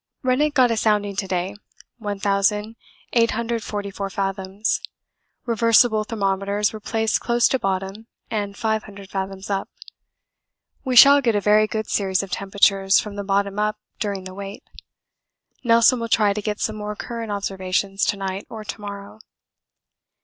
Rennick got a sounding to day 1844 fathoms; reversible thermometers were placed close to bottom and 500 fathoms up. We shall get a very good series of temperatures from the bottom up during the wait. Nelson will try to get some more current observations to night or to morrow.